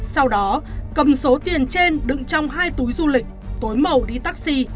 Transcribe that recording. sau đó cầm số tiền trên đựng trong hai túi du lịch túi màu đi taxi